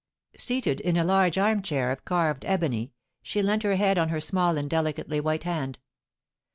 Seated in a large armchair of carved ebony, she leant her head on her small and delicately white hand.